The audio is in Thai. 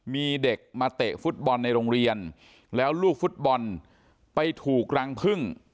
มีเด็กมาเตะฟุตบอลในโรงเรียนแล้วลูกฟุตบอลไปถูกรังพึ่ง